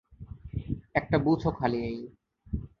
একটা বুথ ও খালি নেই।